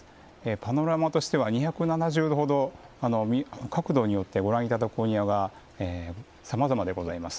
パノラマとしては２７０度程角度によってご覧いただくお庭がさまざまでございます。